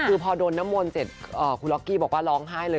คือพอโดนน้ำมนต์เสร็จคุณล็อกกี้บอกว่าร้องไห้เลย